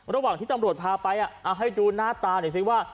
ระหว่างที่ตำรวจพาไปเอาให้ดูหน้าตาหน่อยสิว่า